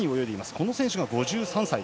この選手が５３歳。